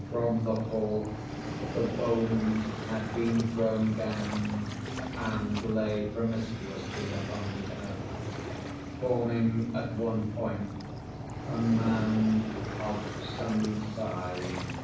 From the fourth the bones had been thrown down, and lay promiscuously upon the earth, forming at one point a mound of some size.